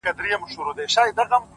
ياد مي دي تا چي شنه سهار كي ويل”